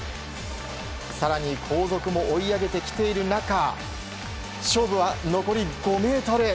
更に後続も追い上げてきている中勝負は残り５ｍ。